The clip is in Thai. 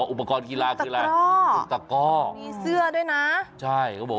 อุปกรณ์กีฬาคืออะไรอุตกร